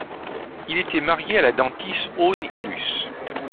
Il était marié à la dentiste Aune Ilus.